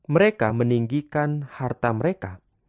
mereka meninggikan harta mereka